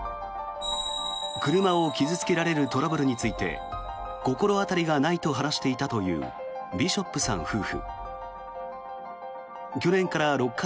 車を傷付けられるトラブルについて心当たりがないと話していたというビショップさん夫婦。